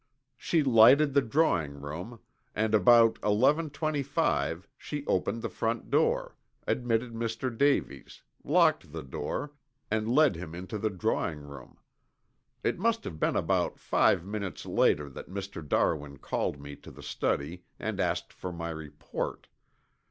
She lighted the drawing room and about eleven twenty five she opened the front door, admitted Mr. Davies, locked the door, and led him into the drawing room. It must have been about five minutes later that Mr. Darwin called me to the study and asked for my report.